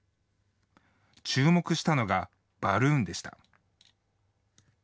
注目したのがバルーンでした。